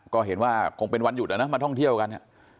ก็เห็นว่าคงเป็นวันหยุดนะมาท่องเที่ยวกัน